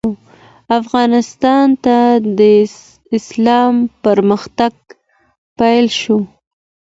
افغانستان ته د اسلام پرمختګ پیل شو.